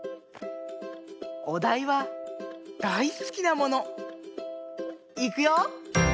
おだいは「だいすきなもの」。いくよ！